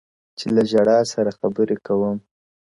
چي لــه ژړا سره خبـري كوم.